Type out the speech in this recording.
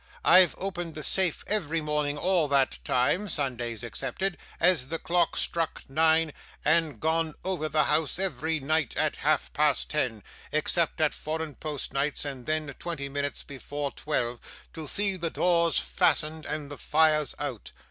I've opened the safe every morning all that time (Sundays excepted) as the clock struck nine, and gone over the house every night at half past ten (except on Foreign Post nights, and then twenty minutes before twelve) to see the doors fastened, and the fires out.